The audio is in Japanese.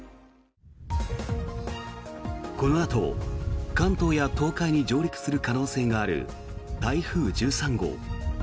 このあと関東や東海に上陸する可能性がある台風１３号。